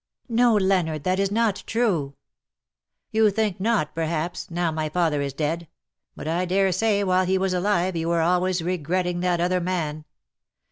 '^ No, Leonard, that is not true.^^ " You think not, perhaps, now my father is dead ; but I dare say while he was alive you were always regretting that other man.